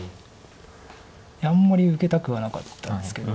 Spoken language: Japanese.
あんまり受けたくはなかったんですけど。